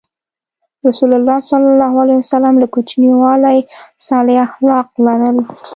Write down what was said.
رسول الله ﷺ له کوچنیوالي صالح اخلاق لرل.